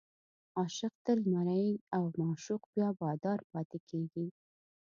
عاشق تل مریی او معشوق بیا بادار پاتې کېږي.